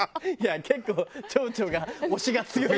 結構町長が押しが強い。